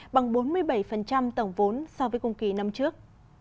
bằng bốn mươi bảy tổng vốn so với cùng kỳ năm trước